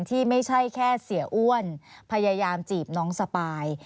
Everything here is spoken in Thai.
ที่ไม่ใช่แค่เสียอ้วนพยายามจีบน้องสปาย